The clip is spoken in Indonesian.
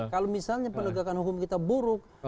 kalau misalnya penegakan hukum kita buruk